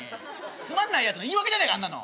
つまんないやつの言い訳じゃねえかあんなの。